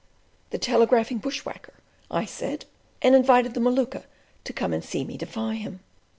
"The telegraphing bush whacker," I said, and invited the Maluka to come and see me defy him.